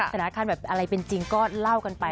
ธนาคารแบบอะไรเป็นจริงก็เล่ากันไป